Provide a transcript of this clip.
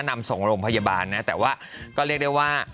นำส่งโรงพยาบาลนะแต่ว่าก็เรียกได้ว่า